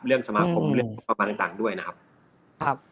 สมาคมเรื่องประมาณต่างด้วยนะครับ